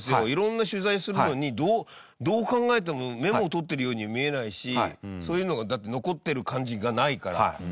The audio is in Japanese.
いろんな取材するのにどう考えてもメモを取ってるようには見えないしそういうのがだって残ってる感じがないから。